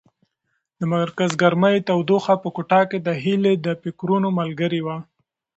د مرکز ګرمۍ تودوخه په کوټه کې د هیلې د فکرونو ملګرې وه.